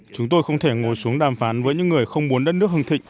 chúng tôi không thể ngồi xuống đàm phán với những người không muốn đất nước hưng thịnh